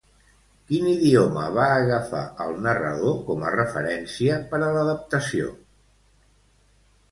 Quin idioma va agafar el narrador com a referència per a l'adaptació?